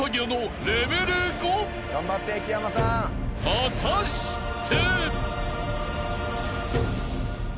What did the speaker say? ［果たして！？］